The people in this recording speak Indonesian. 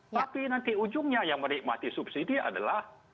tapi nanti ujungnya yang menikmati subsidi adalah